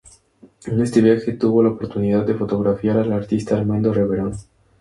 En este viaje tuvo la oportunidad de fotografiar al artista Armando Reverón.